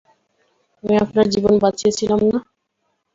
আমি আপনার জীবন বাঁচিয়েছিলাম না?